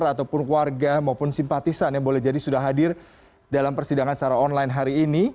ataupun warga maupun simpatisan yang boleh jadi sudah hadir dalam persidangan secara online hari ini